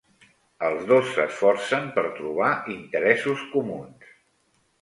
Els dos s'esforcen per trobar interessos comuns.